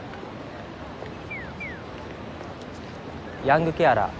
ヤングケアラー。